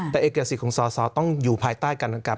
แต่เอกสิทธิ์ของสอสอต้องอยู่ภายใต้การดังกลับ